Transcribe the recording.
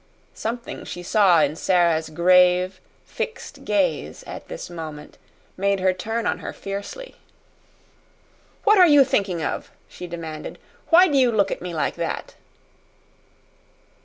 Something she saw in Sara's grave, fixed gaze at this moment made her turn on her fiercely. "What are you thinking of?" she demanded. "Why do you look at me like that?"